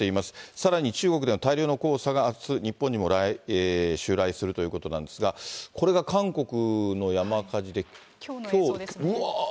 さらに中国での大量の黄砂があす、日本にも襲来するということなんですが、これが韓国の山火事で、きょう、うわー。